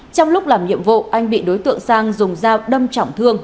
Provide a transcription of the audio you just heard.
trong lúc làm nhiệm vụ anh bị đối tượng sang dùng dao đâm trọng thương